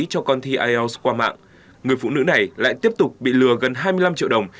cho con thi ielts qua mạng người phụ nữ này lại tiếp tục bị lừa gần hai mươi năm triệu đồng